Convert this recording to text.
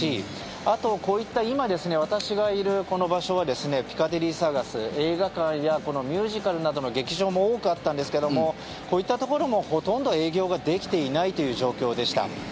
あと、こういった今、私がいるこの場所はピカデリーサーカス、映画館やミュージカルなどの劇場も多かったんですけどもこういったところもほとんど営業ができていないという状況でした。